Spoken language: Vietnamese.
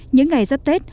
những ngày dắp tết